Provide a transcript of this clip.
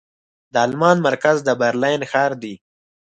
د المان مرکز د برلين ښار دې.